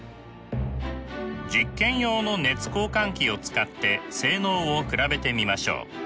実験用の熱交換器を使って性能を比べてみましょう。